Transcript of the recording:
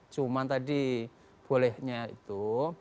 cuma tadi bolehnya itu